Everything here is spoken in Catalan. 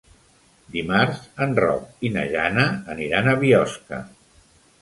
Dimarts en Roc i na Jana aniran a Biosca.